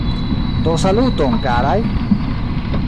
Do saluton, karaj!